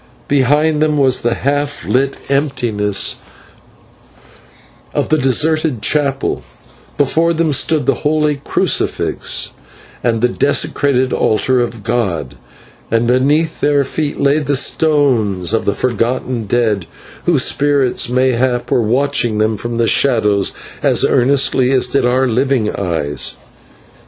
Behind them was the half lit emptiness of the deserted chapel, before them stood the holy crucifix and the desecrated altar of God, and beneath their feet lay the bones of the forgotten dead, whose spirits mayhap were watching them from the shadows as earnestly as did our living eyes.